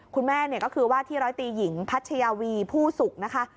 คุณแม่ก็คือว่าที่ร้อยตีหญิงพัชยาวีผู้สุกนะคะ